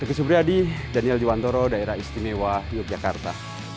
deku subriyadi daniel diwantoro daerah istimewa yogyakarta